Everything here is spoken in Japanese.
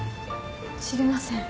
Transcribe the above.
知りません。